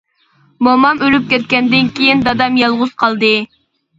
مومام ئۆلۈپ كەتكەندىن كېيىن، دادام يالغۇز قالدى.